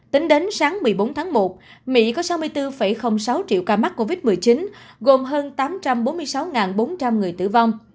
tính đến sáng một mươi bốn tháng một mỹ có sáu mươi bốn sáu triệu ca mắc covid một mươi chín gồm hơn tám trăm bốn mươi sáu bốn trăm linh người tử vong